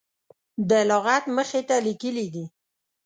د لغت مخې ته لیکلي دي.